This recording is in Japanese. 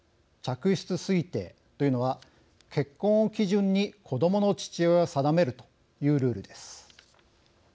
嫡出推定というのは結婚を基準に子どもの父親を定めるというルールです。